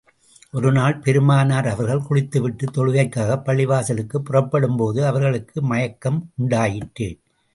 ஒரு நாள், பெருமானார் அவர்கள் குளித்து விட்டு, தொழுகைக்காகப் பள்ளிவாசலுக்குப் புறப்படும் போது, அவர்களுக்கு மயக்கம் உண்டாயிற்று.